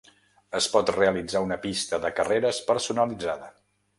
Es pot realitzar una pista de carreres personalitzada.